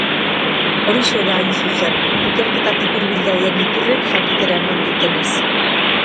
Horixe da, hain zuzen, ikerketatik hurbil dauden iturriek jakitera eman dutenez.